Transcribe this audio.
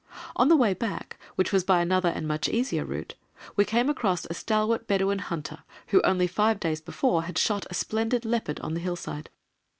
On the way back, which was by another and much easier route, we came across a stalwart Bedouin hunter who, only five days before, had shot a splendid leopard on the hillside.